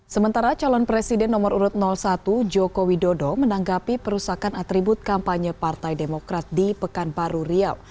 sementara calon presiden nomor urut satu joko widodo menanggapi perusakan atribut kampanye partai demokrat di pekanbaru riau